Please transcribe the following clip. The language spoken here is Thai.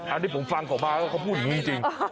อันที่ผมฟังของหมอป้าก็เขาพูดอย่างนี้จริง